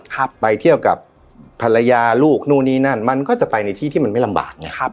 ครับไปเที่ยวกับภรรยาลูกนู่นนี่นั่นมันก็จะไปในที่ที่มันไม่ลำบากไงครับ